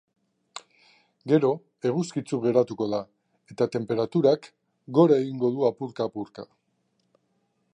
Gero, eguzkitsu geratuko da, eta tenperaturak gora egingo du apurka-apurka.